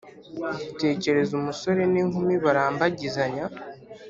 Tekereza umusore n inkumi barambagizanya